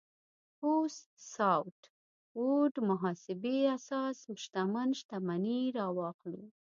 بوث ساوت ووډ محاسبې اساس شتمن شتمني راواخلو.